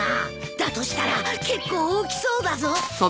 だとしたら結構大きそうだぞ！